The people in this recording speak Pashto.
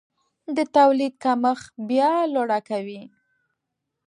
د تولید کمښت بیه لوړه کوي.